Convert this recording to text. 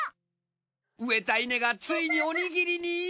植えた稲がついにおにぎりに！